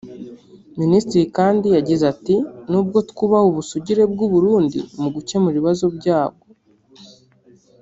Minisitiri kandi yagize ati “ N’ubwo twubaha ubusugire bw’u Burundi mu gukemura ibibazo byabwo